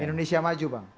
indonesia maju bang